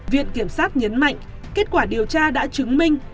viện kiểm sát nhấn mạnh kết quả điều tra đã chứng minh